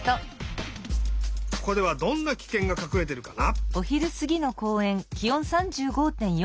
ここではどんなキケンがかくれてるかな？